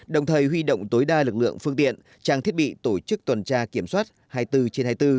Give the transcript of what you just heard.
đồng thời huy động tối đa lực lượng phương tiện trang thiết bị tổ chức tuần tra kiểm soát hai mươi bốn trên hai mươi bốn